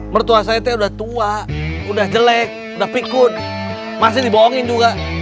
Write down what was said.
mertua saya itu udah tua udah jelek udah pikut masih dibohongin juga